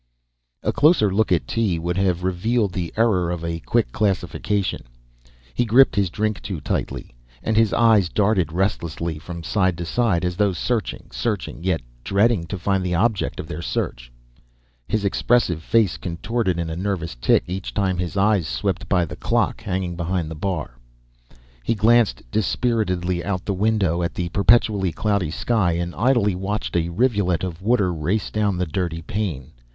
A closer look at Tee would have revealed the error of a quick classification. He gripped his drink too tightly, and his eyes darted restlessly from side to side, as though searching, searching; yet dreading to find the object of their search. His expressive face contorted in a nervous tic each time his eyes swept by the clock hanging behind the bar. He glanced dispiritedly out the window at the perpetually cloudy sky and idly watched a rivulet of water race down the dirty pane.